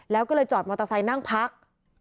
แล้วก็เลยจอดมอเตอร์ไซค์นั่งพัก